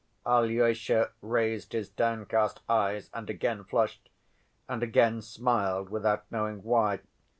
Alyosha raised his downcast eyes and again flushed, and again smiled without knowing why.